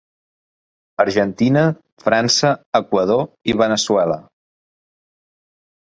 Argentina, França, Equador i Veneçuela.